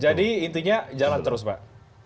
jadi intinya jalan terus pak